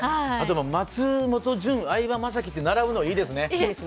松本潤、相葉雅紀が並ぶのはいいですね。